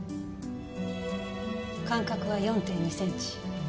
間隔は４．２センチ。